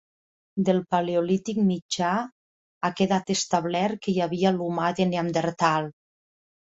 Del paleolític mitjà, ha quedat establert que hi havia l'humà de Neandertal.